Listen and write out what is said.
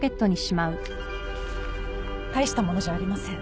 大したものじゃありません。